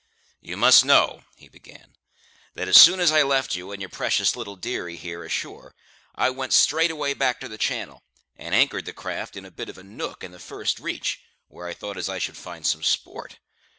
"You must know," he began, "that as soon as I left you and your precious little dearie here ashore, I went straight away back to the channel, and anchored the craft in a bit of a nook in the first reach, where I thought as I should find some sport.